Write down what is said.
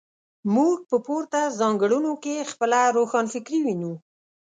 موږ په پورته ځانګړنو کې خپله روښانفکري وینو.